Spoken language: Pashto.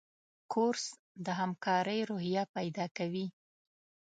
کورس د همکارۍ روحیه پیدا کوي.